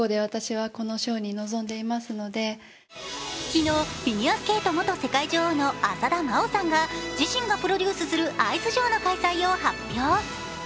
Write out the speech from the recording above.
昨日フィギュアスケート元世界女王の浅田真央さんが自身がプロデュースするアイスショーの開催を発表。